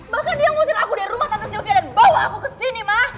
bahkan dia ngusir aku dari rumah tante sylvia dan bawa aku kesini mak